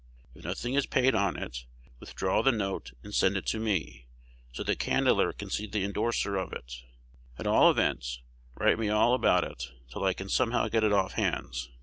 If nothing is paid on it, withdraw the note and send it to me, so that Candler can see the indorser of it. At all events, write me all about it, till I can somehow get it off hands.